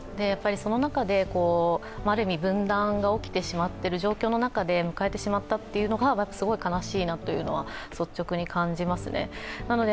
その中で、ある意味分断が起きてしまっている状況の中で迎えてしまったというのはすごい悲しいなというのは率直に感じますね。